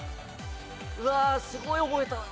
うわあすごい覚えたのに。